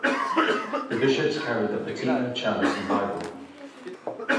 The bishops carried the patina, chalice, and Bible.